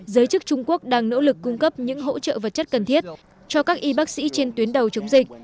giới chức trung quốc đang nỗ lực cung cấp những hỗ trợ vật chất cần thiết cho các y bác sĩ trên tuyến đầu chống dịch